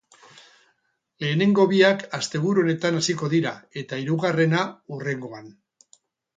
Lehenengo biak asteburu honetan hasiko dira, eta hirugarrena, hurrengoan.